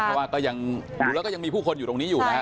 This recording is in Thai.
เพราะว่าก็ยังดูแล้วก็ยังมีผู้คนอยู่ตรงนี้อยู่นะฮะ